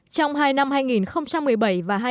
trong hai năm hai nghìn một mươi bảy và hai nghìn một mươi